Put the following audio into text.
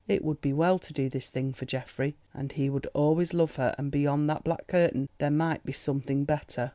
It would be well to do this thing for Geoffrey, and he would always love her, and beyond that black curtain there might be something better.